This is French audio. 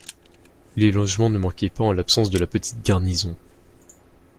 Les logements ne manquaient pas en l’absence de la petite garnison.